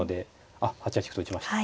あっ８八歩と打ちました。